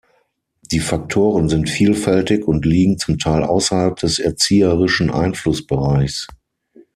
Die Faktoren sind vielfältig und liegen zum Teil außerhalb des erzieherischen Einflussbereichs.